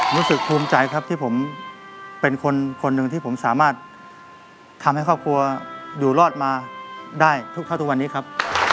รู้สึกภูมิใจครับที่ผมเป็นคนหนึ่งที่ผมสามารถทำให้ครอบครัวอยู่รอดมาได้ทุกเท่าทุกวันนี้ครับ